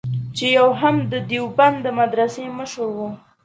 چې هم د دیوبند د مدرسې مشر و.